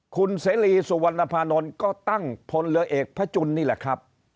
คุณเสรีสุวรรณภานนท์ก็ตั้งพลเรือเอกพระจุลนี่แหละครับ